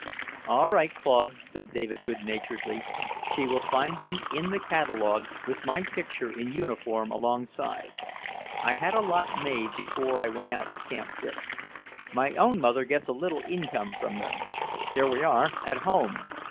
"All right, Claude," said David good naturedly. "She will find them in the catalogue, with my picture in uniform alongside. I had a lot made before I went out to Camp Dix. My own mother gets a little income from them. Here we are, at home."